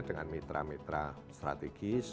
dengan mitra mitra strategis